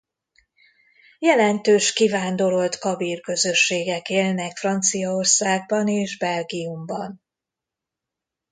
Jelentős kivándorolt kabil közösségek élnek Franciaországban és Belgiumban.